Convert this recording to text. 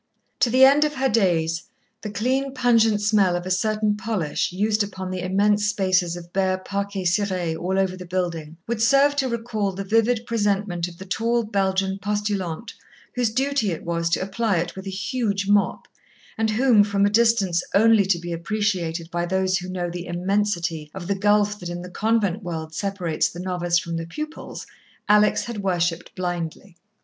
To the end of her days, the clean, pungent smell of a certain polish used upon the immense spaces of bare parquet ciré all over the building, would serve to recall the vivid presentment of the tall Belgian postulante whose duty it was to apply it with a huge mop, and whom, from a distance only to be appreciated by those who know the immensity of the gulf that in the convent world separates the novice from the pupils, Alex had worshipped blindly.